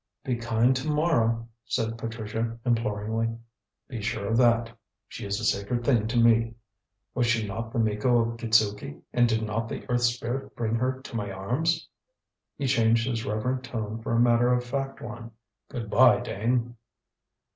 "Be kind to Mara," said Patricia imploringly. "Be sure of that. She is a sacred thing to me. Was she not the Miko of Kitzuki, and did not the Earth Spirit bring her to my arms?" He changed his reverent tone for a matter of fact one. "Good bye, Dane!"